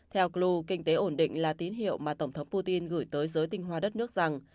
theo clu kinh tế ổn định là tín hiệu mà tổng thống putin gửi tới giới tinh hoa đất nước rằng